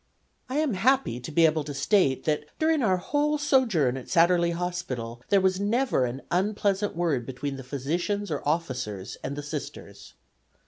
I am happy to be able to state that during our whole sojourn at Satterlee Hospital there never was an unpleasant word between the physicians or officers and the Sisters.